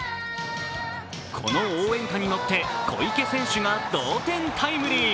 この応援歌に乗って小池選手が同点タイムリー。